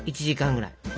１時間ぐらい。